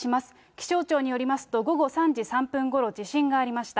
気象庁によりますと、午後３時３分ごろ、地震がありました。